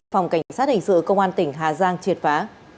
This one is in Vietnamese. phòng cảnh sát hình sự công an tỉnh hà giang triệt phá